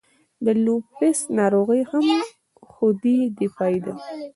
د لوپس ناروغي هم خودي دفاعي ده.